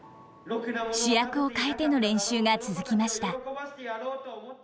主役を替えての練習が続きました。